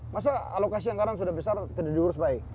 masa alokasi yang sekarang sudah besar tidak diurus baik